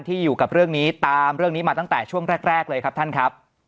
อยู่กับเรื่องนี้ตามเรื่องนี้มาตั้งแต่ช่วงแรกเลยครับท่านครับ